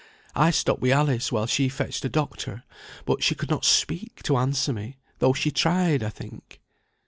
I stopped wi' Alice, while she fetched a doctor; but she could not speak, to answer me, though she tried, I think."